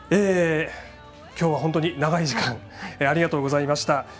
きょうは本当に長い時間ありがとうございました。